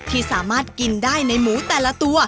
ที่สามารถกินได้ในหมูแต่ละตัว